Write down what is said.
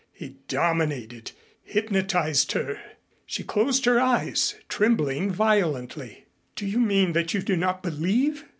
He dominated, hypnotized her. She closed her eyes, trembling violently. "Do you mean that you do not believe?